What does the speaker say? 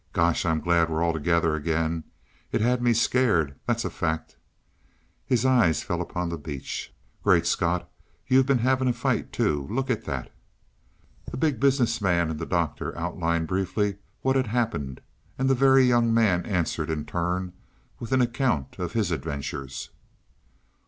"Gosh, I'm glad we're all together again; it had me scared, that's a fact." His eye fell upon the beach. "Great Scott, you've been having a fight, too? Look at that." The Big Business Man and the Doctor outlined briefly what had happened, and the Very Young Man answered in turn with an account of his adventures.